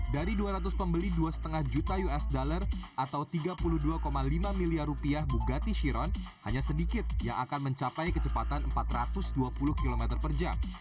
dari dua ratus pembeli dua lima juta usd atau tiga puluh dua lima miliar rupiah bugatti chiron hanya sedikit yang akan mencapai kecepatan empat ratus dua puluh km per jam